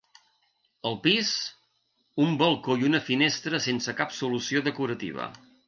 Al pis, un balcó i una finestra sense cap solució decorativa.